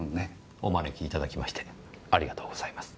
お招きいただきましてありがとうございます。